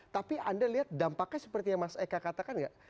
tapi anda lihat dampaknya seperti yang mas eka katakan nggak